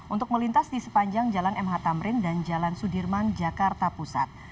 untuk melintas di sepanjang jalan mh tamrin dan jalan sudirman jakarta pusat